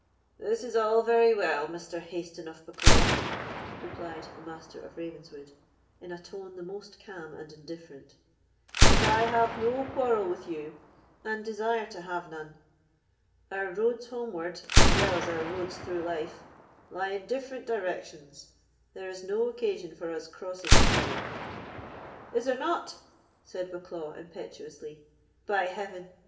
"This is all very well, Mr. Hayston of Bucklaw," replied the Master of Ravenswood, in a tone the most calm and indifferent; "but I have no quarrel with you, and desire to have none. Our roads homeward, as well as our roads through life, lie in different directions; there is no occasion for us crossing each other." "Is there not?" said Bucklaw, impetuously. "By Heaven!